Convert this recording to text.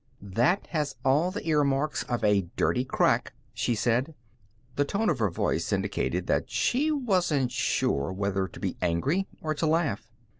"That has all the earmarks of a dirty crack," she said. The tone of her voice indicated that she wasn't sure whether to be angry or to laugh.